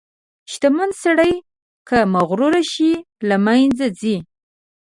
• شتمن سړی که مغرور شي، له منځه ځي.